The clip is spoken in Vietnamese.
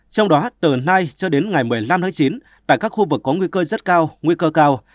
trong đó từ nay cho đến ngày một mươi năm tháng chín tại các khu vực có nguy cơ rất cao nguy cơ cao